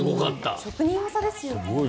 職人技ですよね。